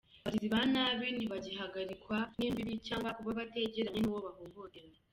Abagizi ba nabi ntibagihagarikwa n'imbibe canke kuba bategereye uwo bahohotera.